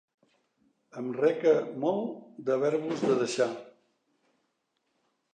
Em reca molt d'haver-vos de deixar.